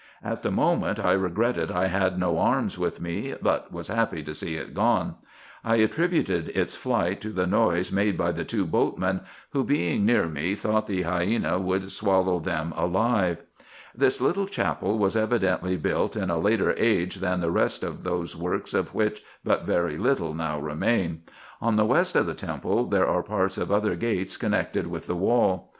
At the moment I regretted I had no arms with me, but was happy to see it gone. I attributed its flight to the noise made by the two boatmen, who being near me thought the hyena would swallow them alive. This little chapel was evidently built in a later age than the rest of those works of which but very little now remain. On the west of the temple there are parts of other gates connected with the wall.